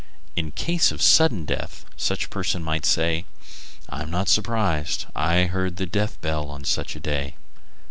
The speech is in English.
In case of a sudden death, such a person might say: "I am not surprised; I heard a death bell on such a day."